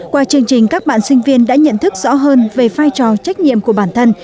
qua chương trình các bạn sinh viên đã nhận thức rõ hơn về vai trò trách nhiệm của bản thân